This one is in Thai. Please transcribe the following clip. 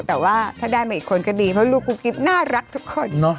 แต่ว่าถ้าได้มาอีกคนก็ดีเพราะลูกกุ๊กกิ๊บน่ารักทุกคน